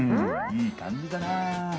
いいかんじだな。